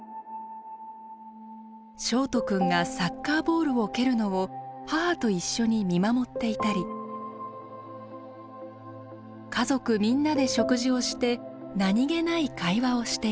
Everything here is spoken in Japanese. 翔人くんがサッカーボールを蹴るのを母と一緒に見守っていたり家族みんなで食事をして何気ない会話をしていたり